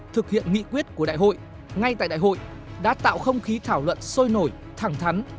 thực hiện nghị quyết của đại hội ngay tại đại hội đã tạo không khí thảo luận sôi nổi thẳng thắn